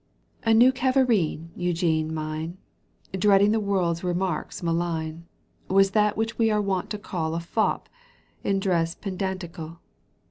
A new Kaverine Eugene mine, Dreading the world's remarks malign, Was that which we are wont to call A fop, in dress pedantical.